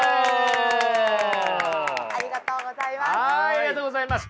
ありがとうございます。